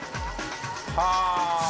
はあ。